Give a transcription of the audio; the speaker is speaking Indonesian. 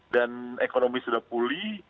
dan ekonomi sudah pulih